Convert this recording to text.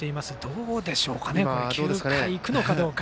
どうでしょうか９回、行くかどうか。